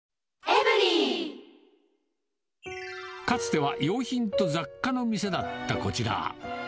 かつては洋品と雑貨の店だったこちら。